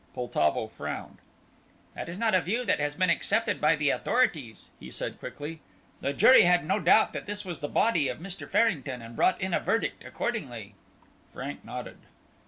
Poltavo frowned. "That is not a view that has been accepted by the authorities," he said quickly. "The jury had no doubt that this was the body of Mr. Farrington, and brought in a verdict accordingly." Frank nodded.